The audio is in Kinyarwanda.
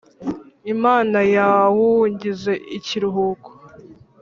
Imana yawugize ikiruhuko